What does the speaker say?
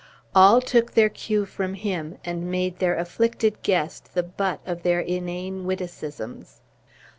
All took their cue from him, and made their afflicted guest the butt of their inane witticisms.